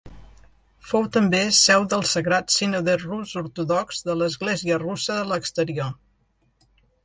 Fou també seu del sagrat sínode rus ortodox de l'església russa a l'exterior.